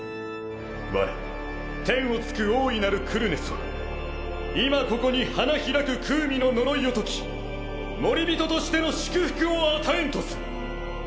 我天を突く大いなるクリュネスは今ここに花開くクウミの呪いを解きモリビトとしての祝福を与えんとす。